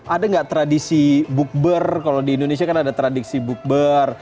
ada nggak tradisi bukber kalau di indonesia kan ada tradisi bukber